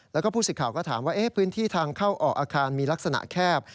แล้วก็ผู้สิทธิ์ข่าวก็ถามว่าพื้นที่ทางเข้าออกอาคารมีลักษณะแคบ